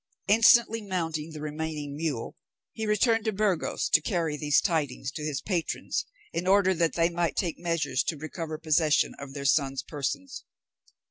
Instantly mounting the remaining mule, he returned to Burgos to carry these tidings to his patrons, in order that they might take measures to recover possession of their sons' persons.